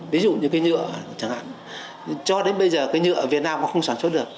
ví dụ như cây nhựa chẳng hạn cho đến bây giờ cây nhựa ở việt nam nó không sản xuất được